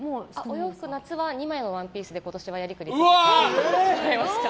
洋服は２枚のワンピースで夏はやりくりしました。